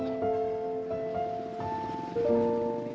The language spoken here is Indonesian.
aku emang kecewa banget